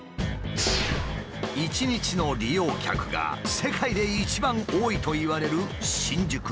一日の利用客が世界で一番多いといわれる新宿駅。